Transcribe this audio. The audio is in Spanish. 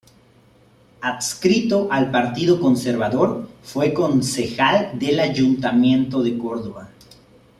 Adscrito al Partido Conservador, fue concejal del Ayuntamiento de Córdoba.